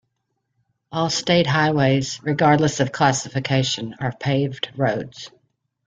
All state highways, regardless of classification, are paved roads.